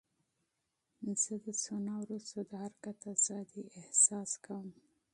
زه د سونا وروسته د حرکت ازادۍ احساس کوم.